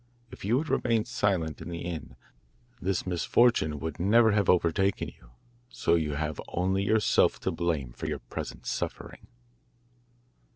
If you had remained silent in the inn this misfortune would never have overtaken you, so you have only yourself to blame for your present suffering.